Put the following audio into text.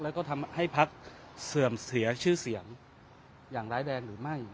แล้วก็ทำให้พักเสื่อมเสียชื่อเสียงอย่างร้ายแรงหรือไม่